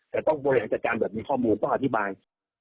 แต่ต้องบริหารจัดการแบบมีข้อมูลต้องอธิบาย